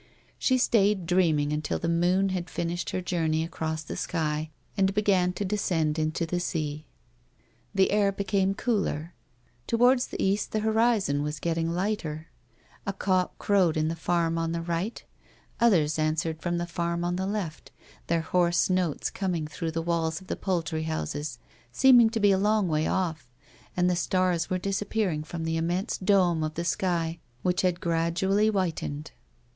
She stayed dreaming until the moon had finished her journey across the sky, and began to descendinto the sea. The air became cooler. Towards the east the horizon was getting lighter. A cock crowed in the farm on the right, others answered from the farm on the left, their hoarse notes, com ing through the walls of 'the poultry houses, seeming to be a long way off, and the stars were disappearing from the immense dome of the sky which had gradually whitened.